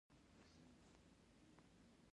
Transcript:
د کلیزو منظره د افغانستان د ښاري پراختیا سبب کېږي.